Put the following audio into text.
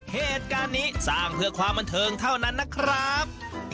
เหตุการณ์นี้สร้างเพื่อความบันเทิงเท่านั้นนะครับ